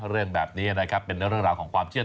เรื่องแบบนี้นะครับเป็นเรื่องราวของความเชื่อ